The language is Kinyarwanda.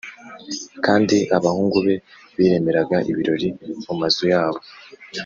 kandi abahungu be biremeraga ibirori mu mazu yabo